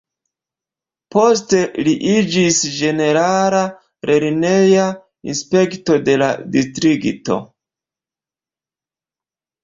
Poste li iĝis ĝenerala lerneja inspektisto de la distrikto.